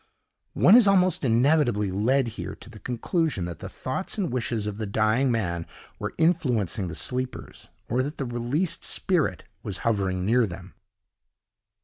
One is almost inevitably led here to the conclusion that the thoughts and wishes of the dying man were influencing the sleepers, or that the released spirit was hovering near them.